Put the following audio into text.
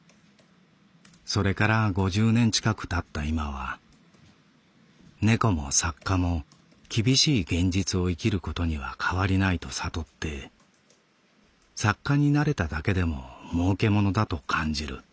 それから五十年近く経ったいまは猫も作家も厳しい現実を生きることにはかわりないと悟って作家になれただけでも儲けものだと感じる」。